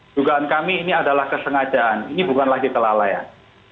dugaan kami ini adalah kesengajaan ini bukan lagi kelalaian